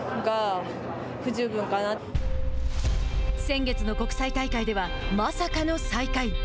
先月の国際大会ではまさかの最下位。